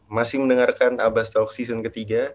masih mendengarkan abastok season ke tiga